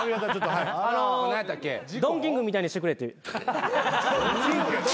ドン・キングみたいにしてくれって。